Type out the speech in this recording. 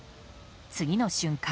次の瞬間。